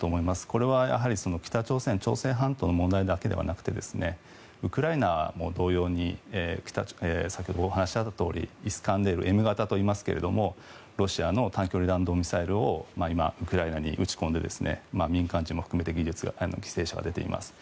これは北朝鮮朝鮮半島の問題だけではなくてウクライナも同様に先ほど、お話あったとおりイスカンデルＭ型といいますがロシアの短距離弾道ミサイルをウクライナに撃ち込んで民間人も含めて犠牲者が出ています。